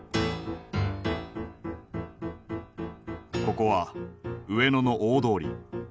ここは上野の大通り。